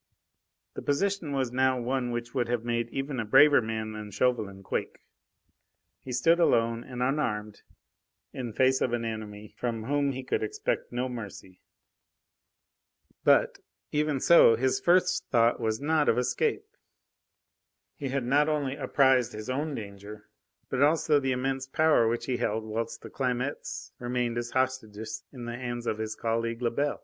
The position now was one which would have made even a braver man than Chauvelin quake. He stood alone and unarmed in face of an enemy from whom he could expect no mercy. But, even so, his first thought was not of escape. He had not only apprised his own danger, but also the immense power which he held whilst the Clamettes remained as hostages in the hands of his colleague Lebel.